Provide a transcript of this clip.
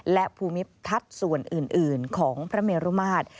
และภูมิทัศน์ส่วนอื่นของพระเมรุมาตร